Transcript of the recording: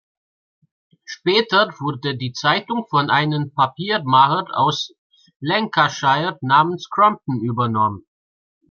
Später wurde die Zeitung von einem Papiermacher aus Lancashire namens „Crompton“ übernommen.